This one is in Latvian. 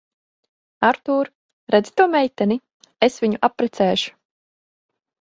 Artūr, redzi to meiteni? Es viņu apprecēšu.